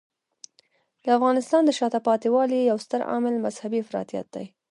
د افغانستان د شاته پاتې والي یو ستر عامل مذهبی افراطیت دی.